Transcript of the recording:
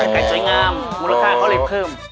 ไก่สวยงามมูลค่าเขาเลยเพิ่ม